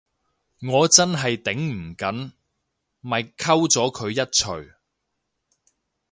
我真係頂唔緊，咪摳咗佢一鎚